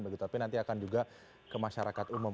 begitu tapi nanti akan juga ke masyarakat umum